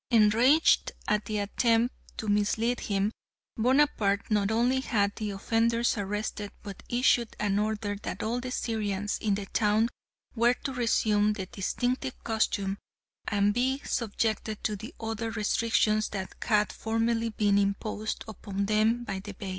Enraged at the attempt to mislead him, Bonaparte not only had the offenders arrested but issued an order that all the Syrians in the town were to resume the distinctive costume and be subjected to the other restrictions that had formerly been imposed upon them by the Beys.